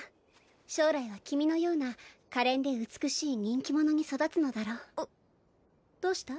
将来は君のような可憐で美しい人気者に育つのだろうどうした？